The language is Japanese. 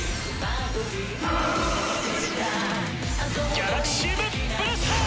ギャラクシウムブラスター！